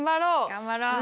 頑張ろう！